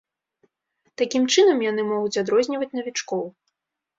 Такім чынам яны могуць адрозніваць навічкоў.